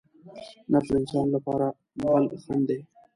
نفس د انسان لپاره بل خڼډ دی.